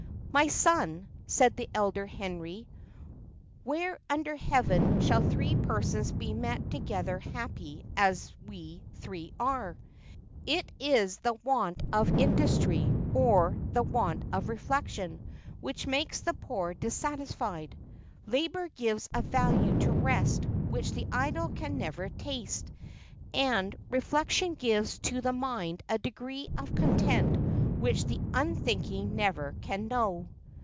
"My son," said the elder Henry, "where under Heaven shall three persons be met together happy as we three are? It is the want of industry, or the want of reflection, which makes the poor dissatisfied. Labour gives a value to rest which the idle can never taste; and reflection gives to the mind a degree of content which the unthinking never can know."